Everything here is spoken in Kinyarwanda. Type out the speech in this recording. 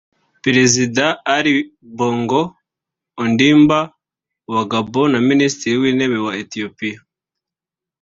Perezida Ali Bongo Ondimba wa Gabon na Minisitiri w’Intebe wa Ethiopia